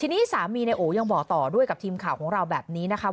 ทีนี้สามีนายโอยังบอกต่อด้วยกับทีมข่าวของเราแบบนี้นะคะ